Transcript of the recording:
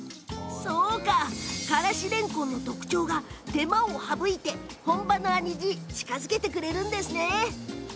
からしれんこんの特徴が、手間を省いて本場の味に近づけてくれるんですね。